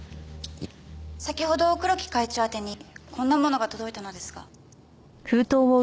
先ほど黒木会長宛てにこんなものが届いたのですが。